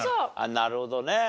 なるほどね。